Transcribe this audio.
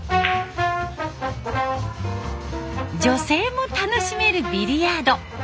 女性も楽しめるビリヤード。